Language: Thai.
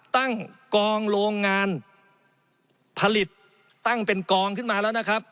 ตั้งกองโรงงานผลิตตั้งเป็นกองขึ้นมาแล้วนะครับ